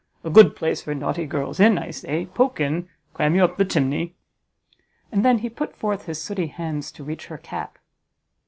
a good place for naughty girls; in, I say, poke in! cram you up the chimney." And then he put forth his sooty hands to reach her cap.